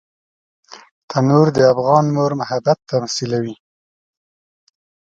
تنور د افغان مور محبت تمثیلوي